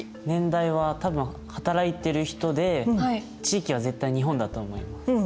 年代は多分働いてる人で地域は絶対日本だと思います。